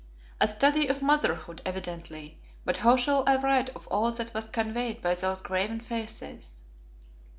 A study of Motherhood, evidently, but how shall I write of all that was conveyed by those graven faces?